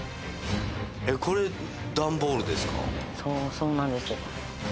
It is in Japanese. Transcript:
そうなんです。